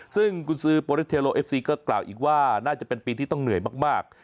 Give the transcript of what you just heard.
ซึ่งกุญซือโปรลิสเทโลเอฟซีก็กล่าวอีกว่าน่าจะเป็นปีที่ต้องเหนื่อยมาก